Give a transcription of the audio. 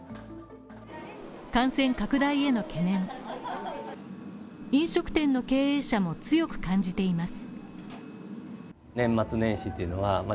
感染拡大への懸念、飲食店の経営者も強く感じています。